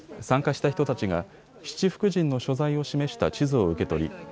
参加した人たちが七福神の所在を示した地図を受け取り